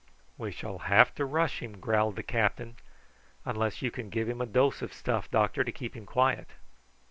"We shall have to rush him," growled the captain; "unless you can give him a dose of stuff, doctor, to keep him quiet."